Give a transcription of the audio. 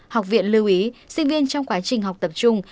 học viện lưu ý sinh viên trong quá trình học tập trung